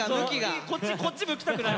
こっち向きたくない。